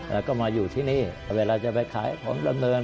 แล้วก็มาอยู่ที่นี่เวลาจะไปขายของดำเนิน